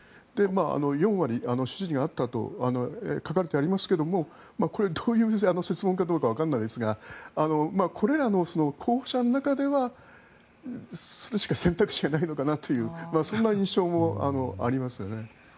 ４割支持があったと書かれてありますけどもこれはどういう設問かわかりませんがこれらの候補者の中ではそれしか選択肢がないのかなというそんな印象もありますね。